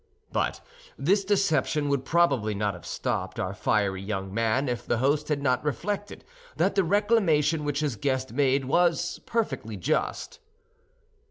But this deception would probably not have stopped our fiery young man if the host had not reflected that the reclamation which his guest made was perfectly just.